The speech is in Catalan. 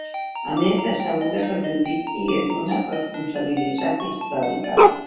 A més, assegura que el judici és una ‘responsabilitat històrica’.